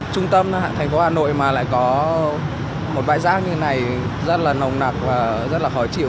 trung tâm thành phố hà nội mà lại có một bãi rác như này rất là nồng nặc và rất là khó chịu